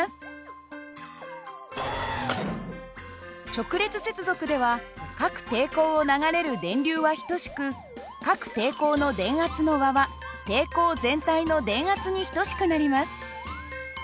直列接続では各抵抗を流れる電流は等しく各抵抗の電圧の和は抵抗全体の電圧に等しくなります。